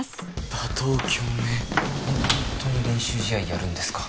本当に練習試合やるんですか？